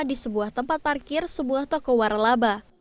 di sebuah tempat parkir sebuah toko waralaba